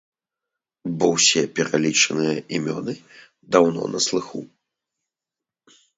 Бо ўсе пералічаныя імёны даўно на слыху.